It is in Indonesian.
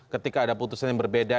ketika ada putusan yang berbeda